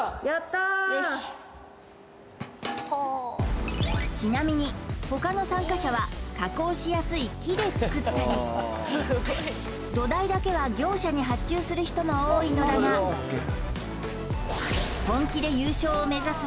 たーよしちなみに他の参加者は加工しやすい木で作ったり土台だけは業者に発注する人も多いのだが本気でいきまーす